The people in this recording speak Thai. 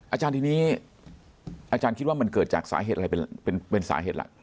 อาจารย์ทีนี้อาจารย์คิดว่ามันเกิดจากสาเหตุอะไรเป็นสาเหตุหลัก